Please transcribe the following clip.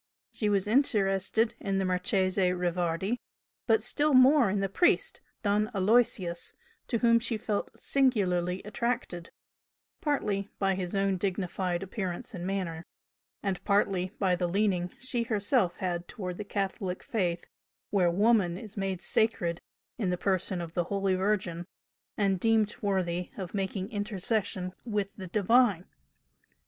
She was interested in the Marchese Rivardi, but still more so in the priest, Don Aloysius, to whom she felt singularly attracted, partly by his own dignified appearance and manner, and partly by the leaning she herself had towards the Catholic Faith where "Woman" is made sacred in the person of the Holy Virgin, and deemed worthy of making intercession with the Divine.